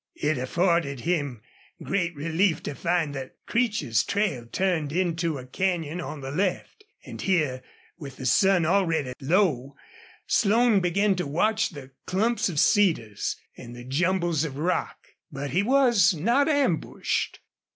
It afforded him great relief to find that Creech's trail turned into a canyon on the left; and here, with the sun already low, Slone began to watch the clumps of cedars and the jumbles of rock. But he was not ambushed.